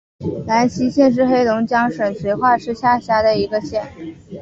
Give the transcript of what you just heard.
兰西县是黑龙江省绥化市下辖的一个县。